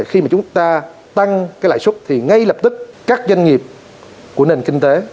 khi mà chúng ta tăng cái lãi xuất thì ngay lập tức các doanh nghiệp của nền kinh tế